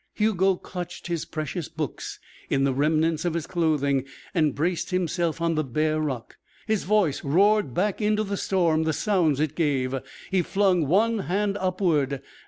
Hugo clutched his precious books in the remnants of his clothing and braced himself on the bare rock. His voice roared back into the storm the sounds it gave. He flung one hand upward.